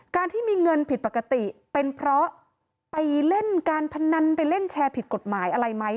การที่มีเงินผิดปกติเป็นเพราะไปเล่นการพนันไปเล่นแชร์ผิดกฎหมายอะไรไหม